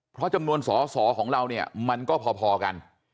เพราะจำนวนสอสอของเราเนี่ยมันก็พอกัน